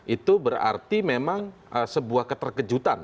itu berarti memang sebuah keterkejutan